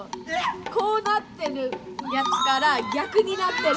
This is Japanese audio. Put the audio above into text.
こうなってるやつから逆になってる。